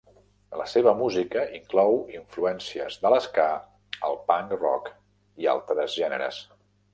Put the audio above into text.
La seva música inclou influències de l'ska, el punk rock i altres gèneres.